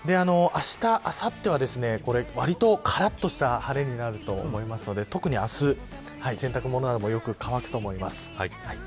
あした、あさってはわりとからっとした晴れになると思いますので特に明日洗濯物などもよく乾くと思います。